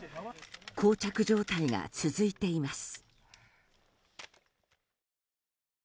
膠着状態が続いています。